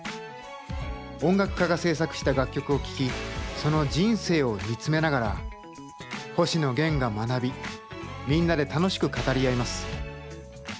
音楽家が制作した楽曲を聴きその人生を見つめながら星野源が学びみんなで楽しく語り合います。